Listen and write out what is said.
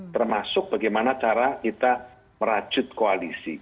termasuk bagaimana cara kita merajut koalisi